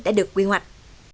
đã được quy hoạch